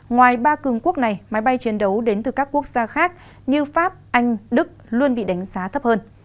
ngoài ba cường quốc này máy bay chiến đấu đến từ các quốc gia khác như pháp anh đức luôn bị đánh giá thấp hơn